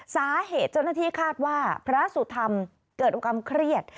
สาเหตุจนที่คาดว่าพระสุธรรมเกิดอาการเครียด